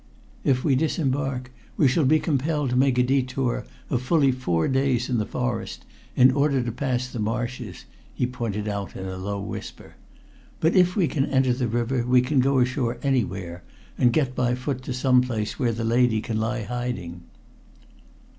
"If we disembark we shall be compelled to make a detour of fully four days in the forest, in order to pass the marshes," he pointed out in a low whisper. "But if we can enter the river we can go ashore anywhere and get by foot to some place where the lady can lie in hiding."